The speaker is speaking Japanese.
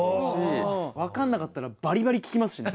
分かんなかったらバリバリ聞きますしね。